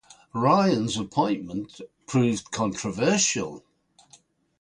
Ryans appointment proved controversial.